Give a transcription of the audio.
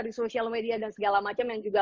di sosial media dan segala macam yang juga